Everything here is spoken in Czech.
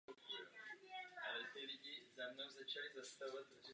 Z dalších významnějších druhů zde můžeme nalézt netopýry.